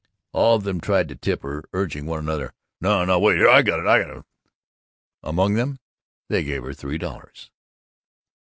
All of them tried to tip her, urging one another, "No! Wait! Here! I got it right here!" Among them, they gave her three dollars.